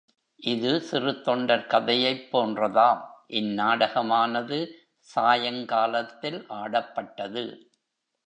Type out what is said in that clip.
இது சிறுத்தொண்டர் கதையைப் போன்றதாம் இந்நாடகமானது சாயங்காலத்தில் ஆடப்பட்டது.